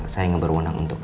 saya ngeberundang untuk